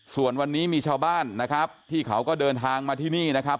ส่วนวันนี้มีชาวบ้านนะครับที่เขาก็เดินทางมาที่นี่นะครับ